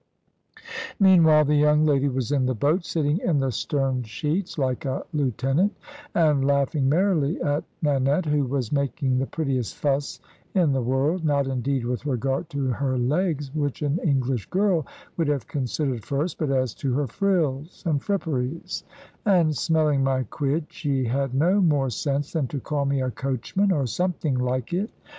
Meanwhile the young lady was in the boat, sitting in the stern sheets like a lieutenant, and laughing merrily at Nanette, who was making the prettiest fuss in the world, not indeed with regard to her legs, which an English girl would have considered first, but as to her frills and fripperies; and smelling my quid, she had no more sense than to call me a coachman, or something like it.